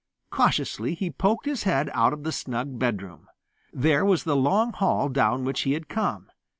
Cautiously he poked his head out of the snug bedroom. There was the long hall down which he had come.